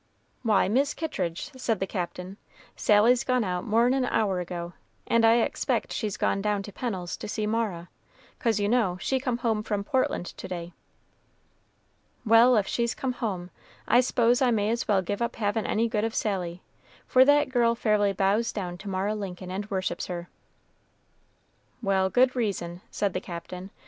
"Why, Mis' Kittridge," said the Captain, "Sally's gone out more'n an hour ago, and I expect she's gone down to Pennel's to see Mara; 'cause, you know, she come home from Portland to day." "Well, if she's come home, I s'pose I may as well give up havin' any good of Sally, for that girl fairly bows down to Mara Lincoln and worships her." "Well, good reason," said the Captain.